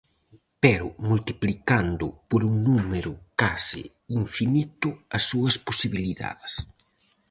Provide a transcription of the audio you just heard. Pero multiplicando por un número case infinito as súas posibilidades.